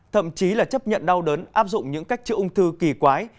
thậm chí là chấp nhận đau đớn áp dụng những cách chữa ung thư kỳ quái